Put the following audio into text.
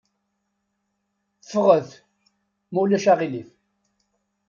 Ffɣet, ma ulac aɣilif.